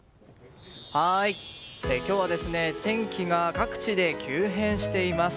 はい、今日は天気が各地で急変しています。